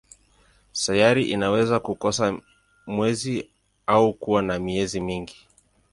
Sayari inaweza kukosa mwezi au kuwa na miezi mingi.